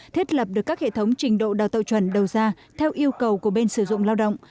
thiết lập được các hệ thống trình độ đào tạo chuẩn đầu ra theo yêu cầu của bên sử dụng lao động